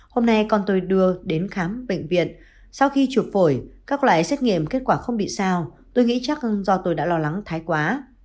hôm nay con tôi đưa đến khám bệnh viện sau khi chuộc phổi các lái xét nghiệm kết quả không bị sao tôi nghĩ chắc do tôi đã lo lắng thái quá